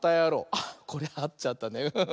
あっこれあっちゃったね。